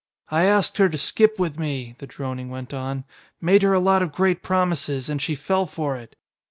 "I asked her to skip with me," the droning went on, "made her a lot of great promises, and she fell for it."